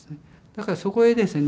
だからそこへですね